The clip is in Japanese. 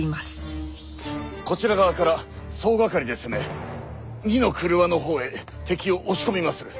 こちら側から総掛かりで攻め二之曲輪の方へ敵を押し込みまする。